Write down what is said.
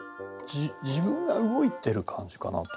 自分が動いてる感じかなと。